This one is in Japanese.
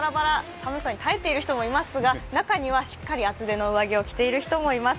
寒さに耐えている人もいますが、中にはしっかり厚手の上着を着ている人もいます。